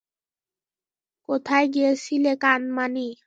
কোথায় গিয়েছিলে, কানমাণি?